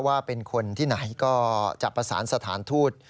ว่าเป็นคนที่ไหนก็จะประสานสถานทูต